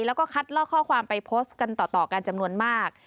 แล้วก็คัดลอกข้อความไปโพสต์กันต่อกันจำนวนมาก